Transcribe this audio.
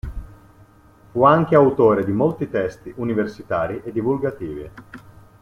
Fu anche autore di molti testi universitari e divulgativi.